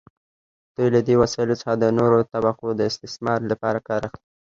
دوی له دې وسایلو څخه د نورو طبقو د استثمار لپاره کار اخلي.